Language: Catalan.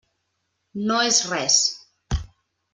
No és res.